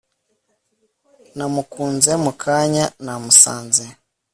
namukunze mukanya namusanze